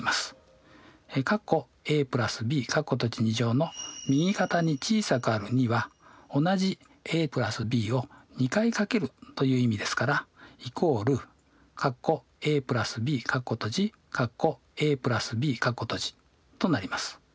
の右肩に小さくある２は同じ＋ｂを２回掛けるという意味ですからとなります。